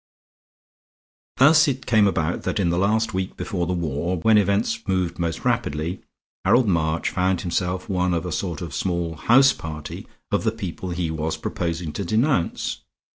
Thus it came about that in the last week before war, when events moved most rapidly, Harold March found himself one of a sort of small house party of the people he was proposing to denounce.